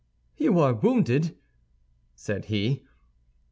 "You are wounded," said he.